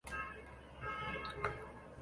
三十九年以户部左侍郎署掌部务。